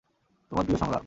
তোমার প্রিয় সংলাপ।